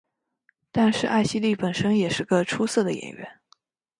但是艾希莉本身也是个出色的演员。